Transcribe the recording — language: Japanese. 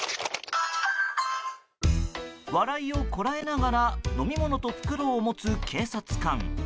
笑いをこらえながら飲み物と袋を持つ警察官。